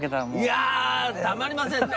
いやたまりませんね！